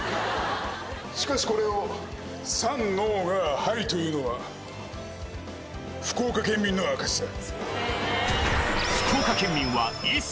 しかしこれを「さんのーがーはい」というのは福岡県民の証だ！